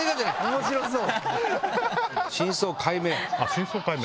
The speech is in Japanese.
面白そう！